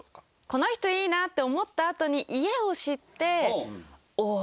この人いいなって思ったあとに家を知っておお